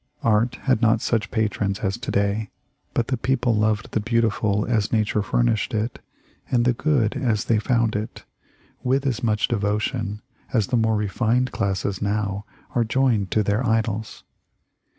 Art had not such patrons as to day, but the people loved the beau tiful as Nature furnished it, and the good as they found it, with as much devotion as the more refined classes now are joined to their idols.